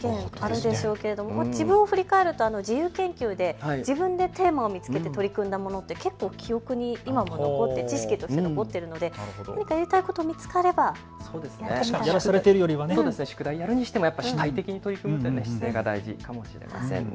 自分を振り返ると自由研究で自分でテーマを見つけて取り組んだものって結構、記憶に今も残って知識として持っているのでやりたいことが見つかればやらされているよりは主体的に取り組むという姿勢、大事ですね。